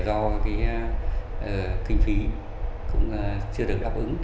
do cái kinh phí cũng chưa được đáp ứng